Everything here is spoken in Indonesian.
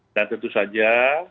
dan tentu saja